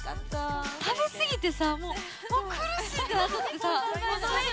食べ過ぎてさもう苦しくなっとってさ。